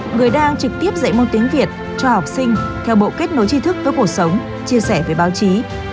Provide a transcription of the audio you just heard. người đang trực tiếp dạy môn tiếng việt cho học sinh theo bộ kết nối trí thức với cuộc sống chia sẻ với báo chí